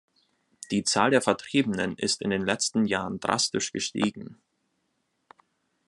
Die Zahl der Vertriebenen ist in den letzten Jahren drastisch gestiegen.